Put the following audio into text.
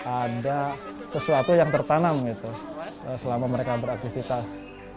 ada sesuatu yang tertanam gitu selama mereka beraktivitas